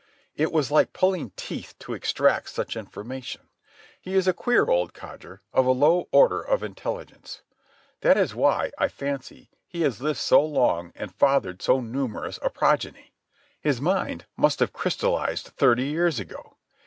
It was like pulling teeth to extract such information. He is a queer old codger, of a low order of intelligence. That is why, I fancy, he has lived so long and fathered so numerous a progeny. His mind must have crystallized thirty years ago.